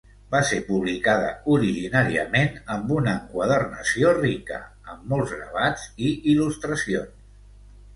Va ser publicada originàriament amb una enquadernació rica, amb molts gravats i il·lustracions.